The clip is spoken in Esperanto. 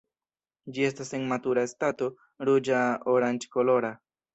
Ĝi estas en matura stato ruĝa-oranĝkolora.